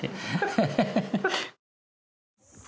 ハハハハ。